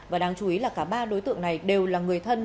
và đáng chú ý là cả ba đối tượng này đều là người thân